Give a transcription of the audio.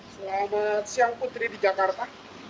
selamat siang putri di jakarta